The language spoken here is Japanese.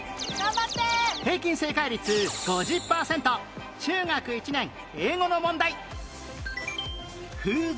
平均正解率５０パーセント中学１年英語の問題